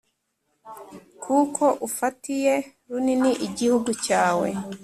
Kuko ufatiye runini igihugu cyawe,